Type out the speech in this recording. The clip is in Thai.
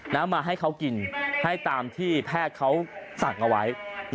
มาให้เขากินให้ตามที่แพทย์เขาสั่งเอาไว้